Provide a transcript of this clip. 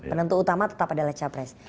penentu utama tetap adalah capres